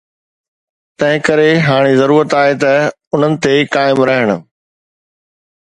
تنهن ڪري هاڻي ضرورت آهي ته انهن تي قائم رهڻ.